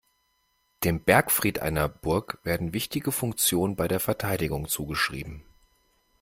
Dem Bergfried einer Burg werden wichtige Funktionen bei der Verteidigung zugeschrieben.